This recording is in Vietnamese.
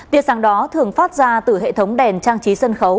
việc sáng đó thường phát ra từ hệ thống đèn trang trí sân khấu